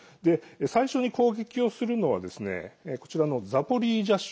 最初に攻撃をするのはこちらのザポリージャ州